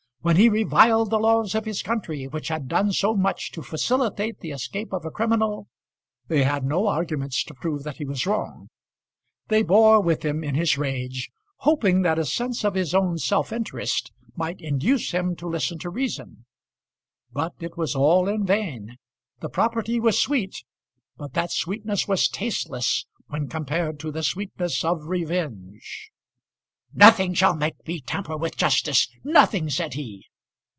When he reviled the laws of his country, which had done so much to facilitate the escape of a criminal, they had no arguments to prove that he was wrong. They bore with him in his rage, hoping that a sense of his own self interest might induce him to listen to reason. But it was all in vain. The property was sweet, but that sweetness was tasteless when compared to the sweetness of revenge. "Nothing shall make me tamper with justice; nothing," said he.